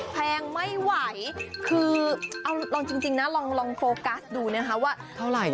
แพงไม่ไหวคือเอาจริงนะลองโฟกัสดูนะคะว่า